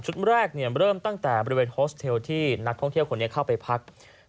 แรกเริ่มตั้งแต่บริเวณโฮสเทลที่นักท่องเที่ยวคนนี้เข้าไปพัก